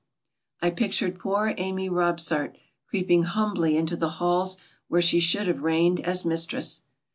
I pictured poor Amy Rob sart creeping humbly into the halls where she should have reigned as Mistress.